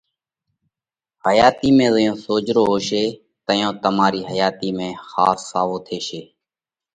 حياتِي ۾ زئيون سوجھرو هوشي تئيون تمارِي حياتِي ۾ ۿاس ساوو ٿيشي۔